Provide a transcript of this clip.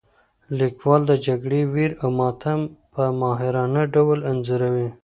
لیکوال د جګړې ویر او ماتم په ماهرانه ډول انځوروي.